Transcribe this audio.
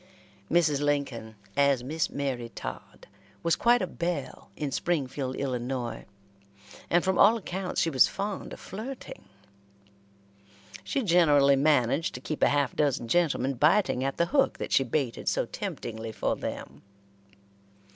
Mrs. Lincoln, as Miss Mary Todd, was quite a belle in Springfield, Illinois, and from all accounts she was fond of flirting. She generally managed to keep a half dozen gentlemen biting at the hook that she baited so temptingly for them.